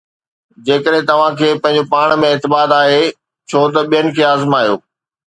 جيڪڏهن توهان کي پنهنجو پاڻ ۾ اعتماد آهي، ڇو ته ٻين کي آزمايو؟